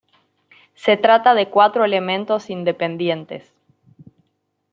Se trata de cuatro elementos independientes.